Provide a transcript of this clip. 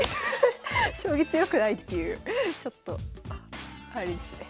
将棋強くないっていうちょっとあれですね。